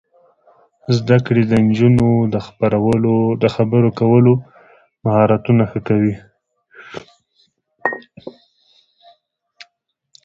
زده کړه د نجونو د خبرو کولو مهارتونه ښه کوي.